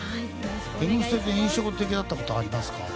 「Ｍステ」で印象的だったことありますか？